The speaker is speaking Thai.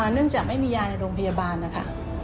เนื่องจากไม่มียาในโรงพยาบาลนะคะ